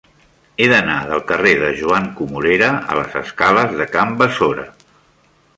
He d'anar del carrer de Joan Comorera a les escales de Can Besora.